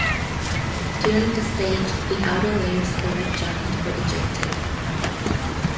During this stage the outer layers of the red giant were ejected.